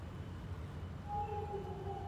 له بد عمله خلکو سره باید یوځای ډوډۍ ونه خوړل شي.